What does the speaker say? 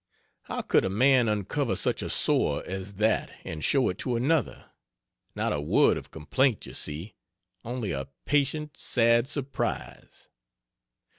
How could a man uncover such a sore as that and show it to another? Not a word of complaint, you see only a patient, sad surprise.